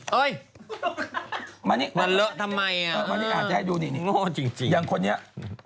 เฮ้ย